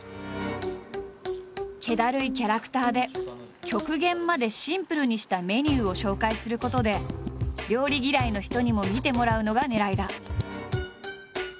けだるいキャラクターで極限までシンプルにしたメニューを紹介することで料理嫌いの人にも見てもらうのがねらいだ。